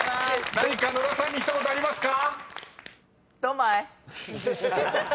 ［何か野田さんに一言ありますか？］